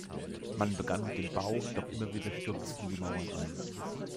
Man begann mit dem Bau, doch immer wieder stürzten die Mauern ein.